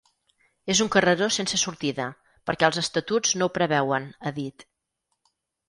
És un carreró sense sortida, perquè els estatuts no ho preveuen, ha dit.